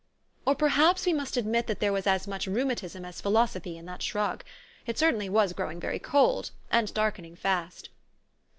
Or perhaps we must admit that there was as much rheumatism as philosophy in that shrug. It certainly was growing very cold, and darkening fast.